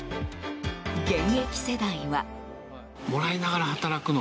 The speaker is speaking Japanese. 現役世代は。